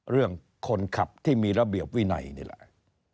เรื่องคนขับที่มีระเบียบวินัยนี่แหละ